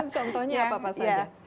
contohnya apa saja